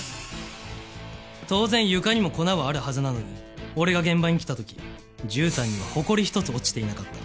当然床にも粉はあるはずなのに俺が現場に来た時じゅうたんにはほこり一つ落ちていなかった。